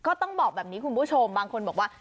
ก็ต้องบอกแบบนี้คุณผู้ชมบางคนบอกว่า